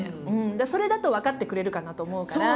それだと分かってくれるかなと思うから。